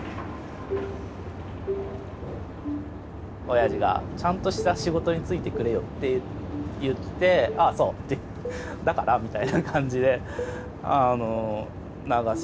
おやじが「ちゃんとした仕事に就いてくれよ」って言って「ああそう。だから？」みたいな感じで流しましたね。